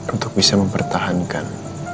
untuk bisa mempertahankan